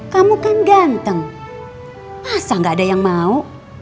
kamu kan ganteng asah gak ada yang mau